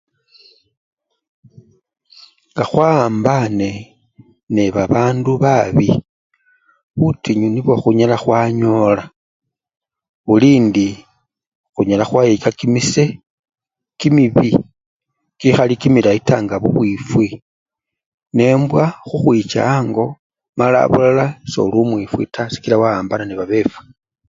Nga khwawambane nebabandu babii, butinyu nibwo khunyala khwanyola bulindi khunyala khweyika kimisee kimibi kikhali kimilayi taa nga bubwifwi nembwa khukhwicha ango mala abulala soli omwifwi taa khuba wawambana nebabefwi.